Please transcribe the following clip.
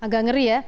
agak ngeri ya